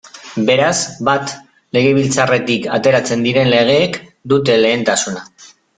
Beraz, bat, Legebiltzarretik ateratzen diren legeek dute lehentasuna.